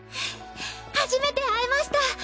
初めて会えました！